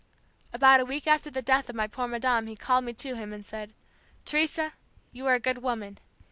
"About a week after the death of my poor madame he called me to him and said, 'Teresa, you are a good woman.